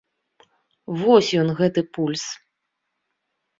Вось ён, гэты пульс!